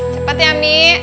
cepat ya mi